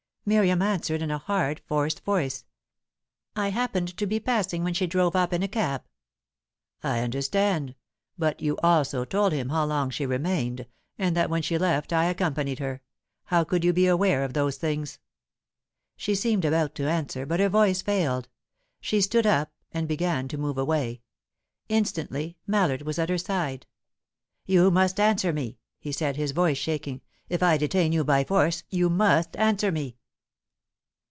Miriam answered in a hard, forced voice. "I happened to be passing when she drove up in a cab." "I understand. But you also told him how long she remained, and that when she left I accompanied her. How could you be aware of those things?" She seemed about to answer, but her voice failed. She stood up, and began to move away. Instantly Mallard was at her side. "You must answer me," he said, his voice shaking. "If I detain you by force, you must answer me."